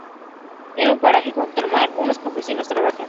En un paraje junto al mar, unos campesinos trabajan.